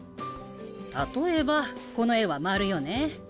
例えばこの絵は丸よね。